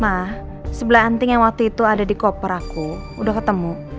nah sebelah anting yang waktu itu ada di koper aku udah ketemu